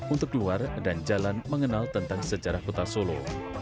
untuk keluar dan jalan mengenal tentang sejarah kota solo